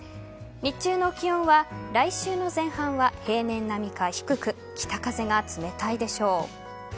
日中の気温は来週の前半は平年並みか低く北風が冷たいでしょう。